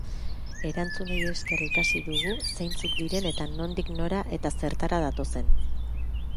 Erantzunei esker ikasi dugu zeintzuk diren eta nondik nora eta zertara datozen.